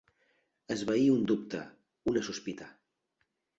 Esvair un dubte, una sospita.